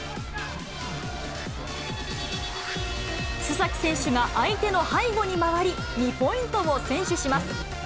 須崎選手が相手の背後に回り、２ポイントを先取します。